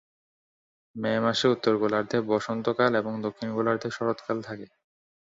মে মাসে উত্তর গোলার্ধে বসন্ত কাল এবং দক্ষিণ গোলার্ধে শরৎ কাল থাকে।